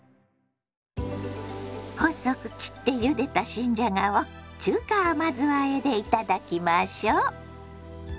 細く切ってゆでた新じゃがを中華甘酢あえでいただきましょ。